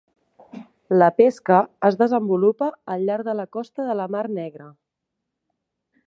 La pesca es desenvolupa al llarg de la costa de la Mar Negra.